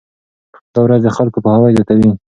دا ورځ د خلکو پوهاوی زیاتوي.